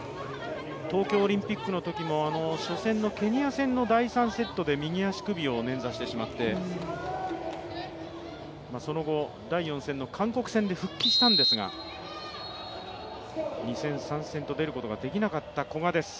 東京オリンピックのときも、初戦のケニア戦の第３セットで右足首を捻挫してしまって、その後、第４戦の韓国戦で復帰したんですが、２戦、３戦と出ることができなかった古賀です。